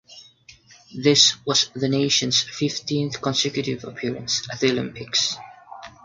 This was the nation's fifteenth consecutive appearance at the Olympics.